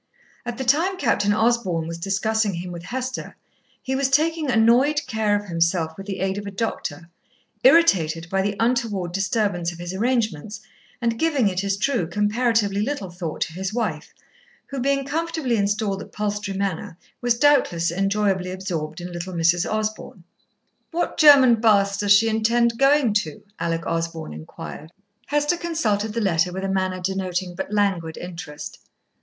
At the time Captain Osborn was discussing him with Hester, he was taking annoyed care of himself with the aid of a doctor, irritated by the untoward disturbance of his arrangements, and giving, it is true, comparatively little thought to his wife, who, being comfortably installed at Palstrey Manor, was doubtless enjoyably absorbed in little Mrs. Osborn. "What German baths does she intend going to?" Alec Osborn inquired. Hester consulted the letter with a manner denoting but languid interest.